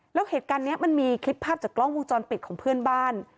แล้วเหตุการณ์นี้มันมีคลิปภาพจากกล้องวงจรปิดของเพื่อนบ้าน